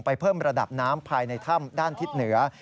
เพิ่มระดับน้ำภายในถ้ำด้านทิศเหนือ